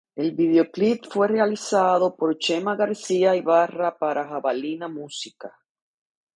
El videoclip fue realizado por Chema García Ibarra para Jabalina Música.